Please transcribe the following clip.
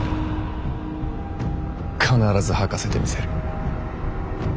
必ず吐かせてみせる。